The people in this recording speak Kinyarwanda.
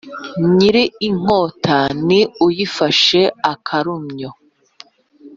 Nyiri inkota ni uyifashe akarumyo.